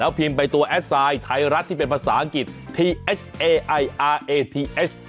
พิมพ์ไปตัวแอดไซด์ไทยรัฐที่เป็นภาษาอังกฤษทีเอสเอไออาร์เอทีเอส